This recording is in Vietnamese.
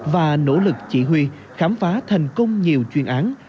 và nỗ lực chỉ huy khám phá thành công nhiều chuyên án